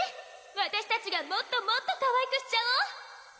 わたしたちがもっともっとかわいくしちゃお！